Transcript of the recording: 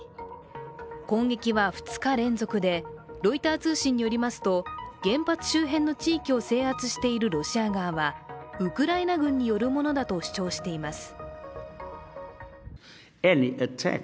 攻撃は２日連続で、ロイター通信によりますと原発周辺の地域を制圧しているロシア側はウクライナ軍によるものだと主張しています。